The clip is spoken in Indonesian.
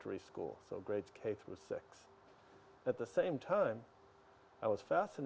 hari ini kita mengatakan